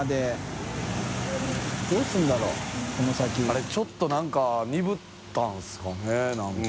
あれちょっとなんか鈍ったんですかねなんか。